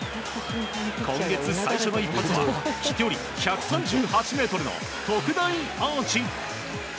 今月最初の一発は飛距離１３１ｍの特大アーチ！